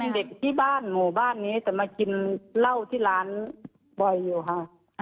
เด็กที่บ้านหมู่บ้านนี้แต่มากินเหล้าที่ร้านบ่อยอยู่ค่ะ